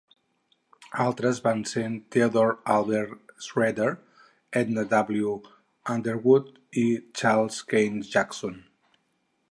Altres van ser Theodore Albert Schroeder, Edna W. Underwood, i Charles Kains-Jackson.